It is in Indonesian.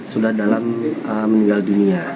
sudah dalam meninggal dunia